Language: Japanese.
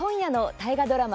大河ドラマ